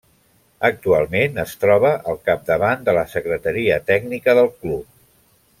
Actualment es troba al capdavant de la secretaria tècnica del club.